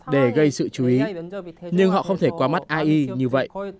để gây sự chú ý nhưng họ không thể qua mắt ai như vậy